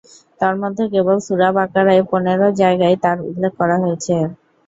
তন্মধ্যে কেবল সূরা বাকারায় পনের জায়গায় তার উল্লেখ করা হয়েছে।